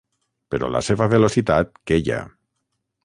Però la seva velocitat queia.